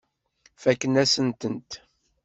Fakken-asen-tent.